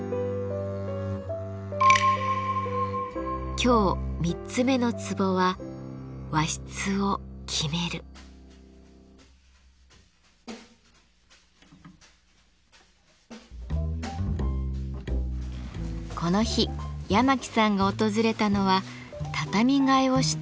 今日三つ目のツボはこの日八巻さんが訪れたのは畳替えをしたいという家族。